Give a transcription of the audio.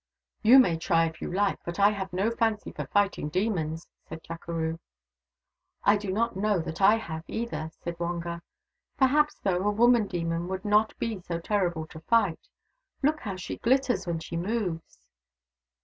" You may try, if you like, but I have no fancy for fighting demons," said Chukeroo. " I do not know that I have, either," said Wonga. " Perhaps, though, a woman demon would not be so terrible to fight. Look how she glitters when she moves